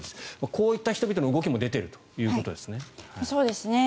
こういった人々の動きも出ているということですね。